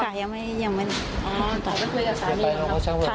กลับไปคุยกับสามี